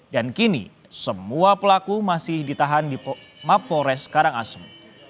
dan kini semua pelaku masih ditahan di map pores karangasem